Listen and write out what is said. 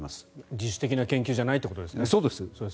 自主的な研究じゃないということですね。